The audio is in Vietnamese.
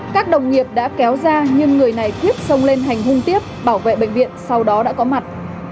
các đồng nghiệp đã kéo ra nhưng người này tiếp sông lên hành hung tiếp bảo vệ bệnh viện sau đó đã có mặt